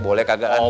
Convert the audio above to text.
boleh kagak kan